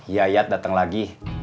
yayat dateng lagi